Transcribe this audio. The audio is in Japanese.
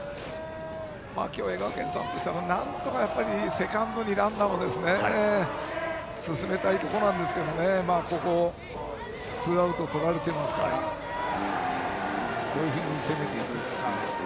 共栄学園さんとしてはなんとかセカンドにランナーを進めたいところですがツーアウトをとられてますからどういうふうに攻めていくか。